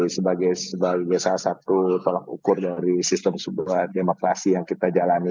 sebagai salah satu tolak ukur dari sistem sebuah demokrasi yang kita jalani